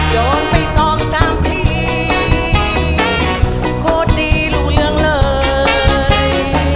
โยนไป๒๓ทีโคตรดีรู้เรื่องเลย